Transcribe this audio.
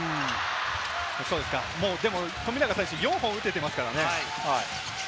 でも、富永選手、４本打てていますからね。